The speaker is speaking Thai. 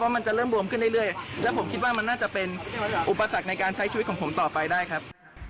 มันจะเริ่มบวมขึ้นเรื่อยและผมคิดว่ามันน่าจะเป็นอุปสรรคในการใช้ชีวิตของผมต่อไปได้ครับ